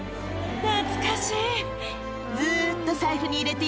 懐かしい。